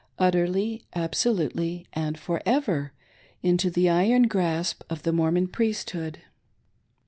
Utterly, absolutely, and for ever, into the iron grasp of the Mormon Priesthood.